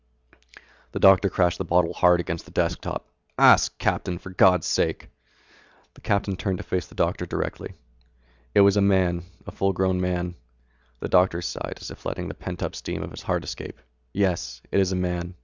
The doctor crashed the bottle hard against the desk top. "Ask it, Captain, for God's sake!!" The captain turned to face the doctor directly. "It was a man, a full grown man." The doctor sighed as if letting the pent up steam of his heart escape. "Yes, it is a man.